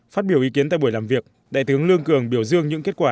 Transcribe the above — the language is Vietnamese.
phát biểu ý kiến tại buổi làm việc đại tướng lương cường biểu dương những kết quả